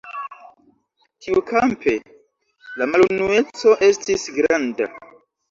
Tiukampe la malunueco estis granda.